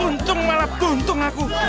untung malah buntung aku